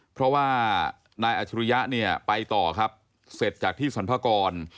เพราะว่านายอัจฉริยะเนี่ยไปต่อครับเสร็จจากที่สรรพากร